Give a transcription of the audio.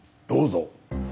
どうぞ。